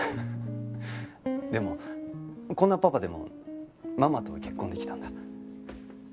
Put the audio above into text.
でもこんなパパでもママと結婚できたんだ。